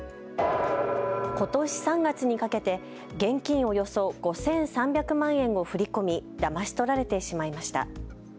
ことし３月にかけて現金およそ５３００万円を振り込みだまし取られてしまいました。